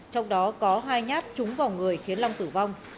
trong đó có hai nhát trúng vào người khiến long tử vong